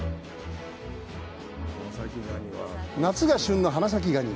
夏が旬の花咲ガニ。